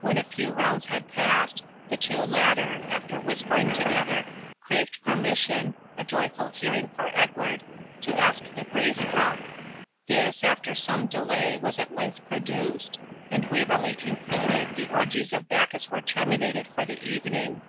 When a few rounds had passed, the two latter, after whispering together, craved permission (a joyful hearing for Edward) to ask the grace cup. This, after some delay, was at length produced, and Waverley concluded the orgies of Bacchus were terminated for the evening.